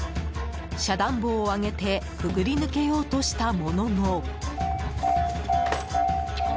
遮断棒を上げてくぐり抜けようとしたものの。